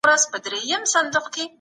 ايا حضوري ټولګي منظم تعليمي فضا برابروي؟